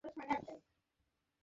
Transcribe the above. তাঁদের পক্ষেও যুক্তির বল সমান।